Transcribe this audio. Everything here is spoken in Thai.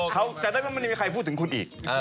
เขาจะได้ไม่มีใครพูดถึงคุณอีก